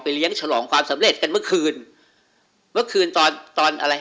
เลี้ยงฉลองความสำเร็จกันเมื่อคืนเมื่อคืนตอนตอนอะไร